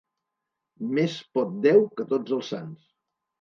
Més pot Déu que tots els sants.